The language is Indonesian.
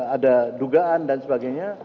ada dugaan dan sebagainya